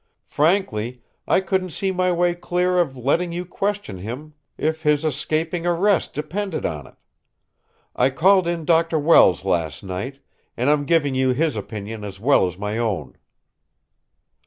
Frankly, I couldn't see my way clear to letting you question him if his escaping arrest depended on it. I called in Dr. Welles last night; and I'm giving you his opinion as well as my own."